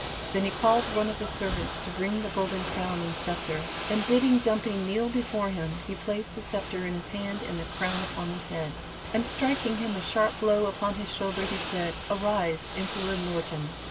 Then he called one of his servants to bring the golden crown and scepter, and bidding Dumpy kneel before him, he placed the scepter in his hand and the crown upon his head, and striking him a sharp blow upon his shoulder, he said, "Arise, Emperor Norton.